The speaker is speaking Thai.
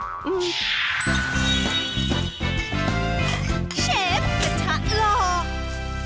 เชฟกระทะหลอก